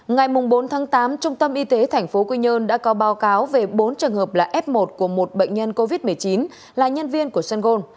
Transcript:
ngày bốn tháng tám trung tâm y tế tp quy nhơn đã có báo cáo về bốn trường hợp là f một của một bệnh nhân covid một mươi chín là nhân viên của sân gôn